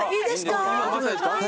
いいですか？